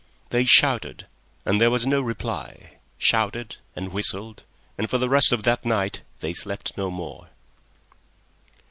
They shouted, and there was no reply; shouted and whistled, and for the rest of that night they slept no more.